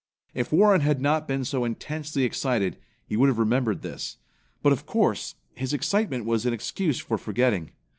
If Warren had not been so intensely excited, he would have remembered this. But of course his excitement was an excuse for forgetting.